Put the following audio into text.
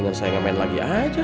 sampai jumpa lagi